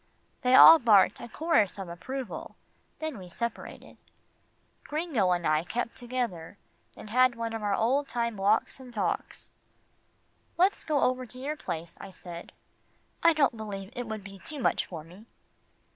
They all barked a chorus of approval, then we separated. Gringo and I kept together, and had one of our old time walks and talks. "Let's go over to your place," I said. "I don't believe it would be too much for me."